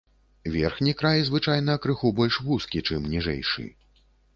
Верхні край звычайна крыху больш вузкі, чым ніжэйшы.